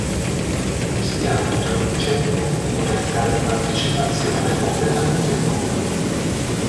Stiamo introducendo una modalità di partecipazione completamente nuova.